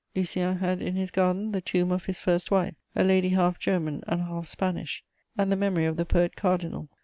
Lucien had in his garden the tomb of his first wife, a lady half German and half Spanish, and the memory of the poet cardinal.